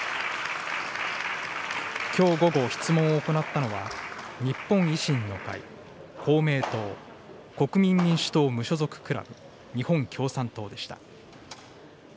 きょう午後、質問を行ったのは、日本維新の会、公明党、国民民主党・無所属クラブ、日本共産党でした。